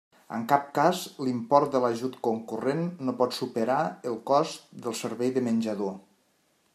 En cap cas l'import de l'ajut concurrent no pot superar el cost del servei de menjador.